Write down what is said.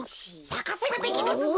さかせるべきですぞ！